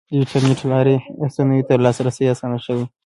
د انټرنیټ له لارې رسنیو ته لاسرسی اسان شوی.